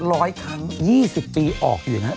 ร้อยครั้ง๒๐ปีออกอยู่อย่างนั้น